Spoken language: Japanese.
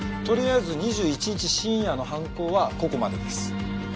とりあえず２１日深夜の犯行はここまでです。